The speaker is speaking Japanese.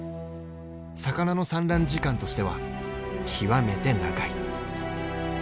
魚の産卵時間としては極めて長い。